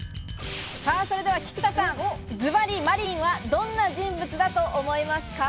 それでは菊田さん、ズバリ麻理鈴はどんな人物だと思いますか？